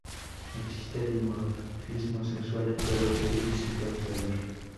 Existe dimorfismo sexual, pero es difícil de observar.